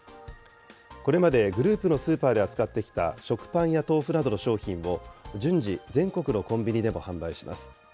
これまでグループのスーパーで扱ってきた食パンや豆腐などの商品を、順次、全国のコンビニでも販売します。